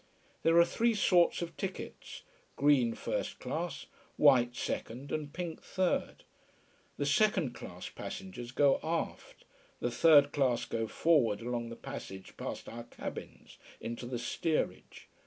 There are three sorts of tickets green first class, white second, and pink third. The second class passengers go aft, the third class go forward, along the passage past our cabins, into the steerage.